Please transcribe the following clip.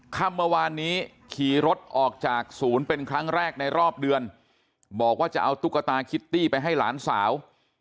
ค่ำเมื่อวานนี้ขี่รถออกจากศูนย์เป็นครั้งแรกในรอบเดือนบอกว่าจะเอาตุ๊กตาคิตตี้ไปให้หลานสาว